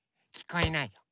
きこえない。